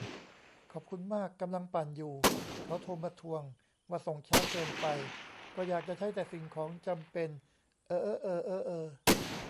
ขอบคุณมาก กำลังปั่นอยู่ "เขาโทรมาทวง ว่าส่งช้าเกินไป" ก็อยากจะใช้แต่สิ่งของจำเป็น เออ เอ๊อเออเอ๊อเออ